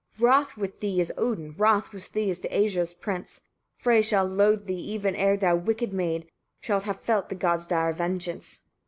33. Wroth with thee is Odin, wroth with thee is the Æsir's prince; Frey shall loathe thee, even ere thou, wicked maid! shalt have felt the gods' dire vengeance.